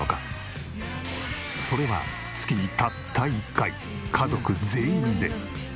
それは月にたった１回家族全員で。